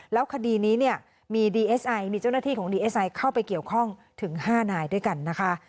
แล้วคดีนี้เนี่ยมีดีเอสไอมีเจ้าหน้าที่ของดีเอสไอเข้าไปเกี่ยวข้องถึง๕นายด้วยกันนะคะ